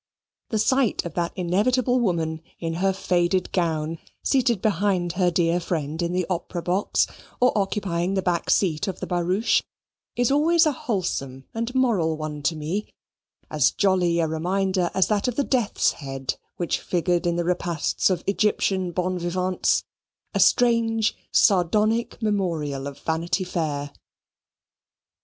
The sight of that inevitable woman in her faded gown seated behind her dear friend in the opera box, or occupying the back seat of the barouche, is always a wholesome and moral one to me, as jolly a reminder as that of the Death's head which figured in the repasts of Egyptian bon vivants, a strange sardonic memorial of Vanity Fair.